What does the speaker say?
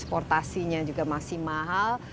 transportasinya juga masih mahal